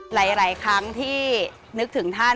หลายที่นึกถึงท่าน